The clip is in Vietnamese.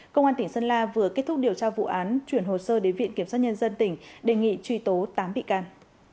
công an tỉnh sơn la vừa kết thúc điều tra vụ án chuyển hồ sơ đến viện kiểm soát nhân dân tỉnh đề nghị truy tố tám bị can